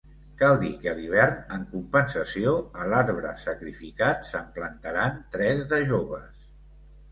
Cal dir que a l’hivern, en compensació a l’arbre sacrificat, se’n plantaran tres de joves.